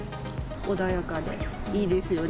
穏やかでいいですよね。